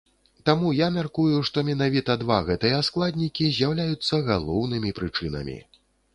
Таму я мяркую, што менавіта два гэтыя складнікі з'яўляюцца галоўнымі прычынамі.